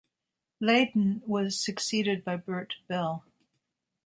Layden was succeeded by Bert Bell.